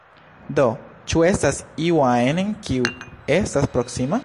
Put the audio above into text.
Do, ĉu estas iu ajn, kiu estas proksima?